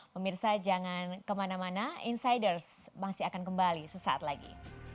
pemirsa jangan kemana mana insiders masih akan kembali sesaat lagi